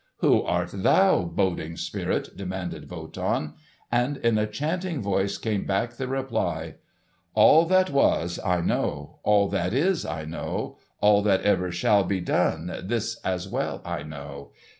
"Who art thou, boding spirit?" demanded Wotan. And in a chanting voice came back the reply: "All that was I know, All that is I know, All that ever shall be done, This as well I know.